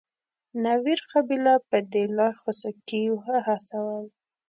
نوير قبیله په دې لار خوسکي وهڅول.